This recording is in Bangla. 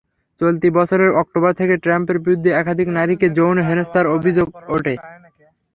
চলতি বছরের অক্টোবর থেকে ট্রাম্পের বিরুদ্ধে একাধিক নারীকে যৌন হেনস্তার অভিযোগ ওঠে।